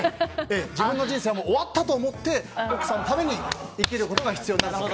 自分の人生は終わったと思って奥さんのために生きることが必要だと。